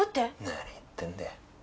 何を言ってるんだよ。